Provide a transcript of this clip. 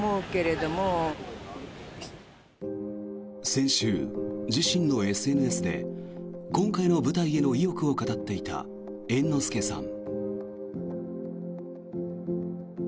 先週、自身のＳＮＳで今回の舞台への意欲を語っていた猿之助さん。